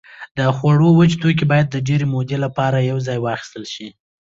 د خوړو وچ توکي باید د ډېرې مودې لپاره یوځای واخیستل شي.